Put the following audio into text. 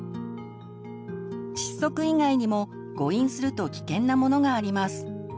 窒息以外にも誤飲すると危険なものがあります。